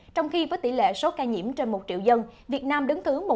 trong khi với tỷ lệ số ca nhiễm trên một triệu dân việt nam đứng thứ một trăm năm mươi bảy ca nhiễm